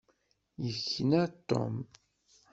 Yekna Tom.